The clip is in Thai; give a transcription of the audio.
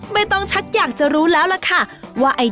ไม่ต้องชักอยากจะรู้แล้วล่ะค่ะว่า